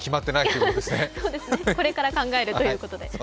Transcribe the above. そうですね、これから考えるということです。